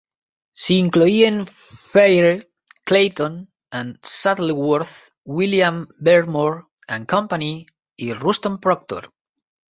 S'hi incloïen Fairey, Clayton and Shuttleworth, William Beardmore and Company i Ruston Proctor.